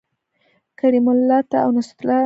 کریم الله ته او نصرت الله راشئ